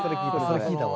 それ聞いたわ。